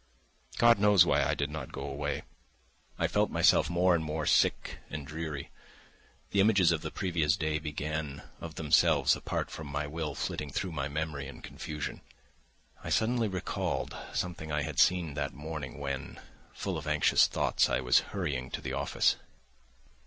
God knows why I did not go away. I felt myself more and more sick and dreary. The images of the previous day began of themselves, apart from my will, flitting through my memory in confusion. I suddenly recalled something I had seen that morning when, full of anxious thoughts, I was hurrying to the office.